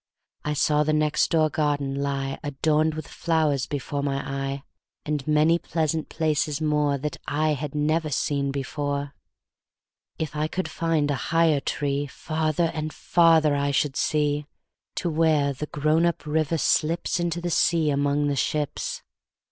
I saw the next door garden lie, Adorned with flowers, before my eye, And many pleasant places moreThat I had never seen before. If I could find a higher treeFarther and farther I should see, To where the grown up river slipsInto the sea among the ships.